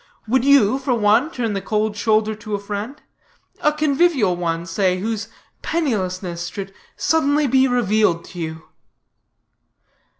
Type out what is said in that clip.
Would you, for one, turn the cold shoulder to a friend a convivial one, say, whose pennilessness should be suddenly revealed to you?"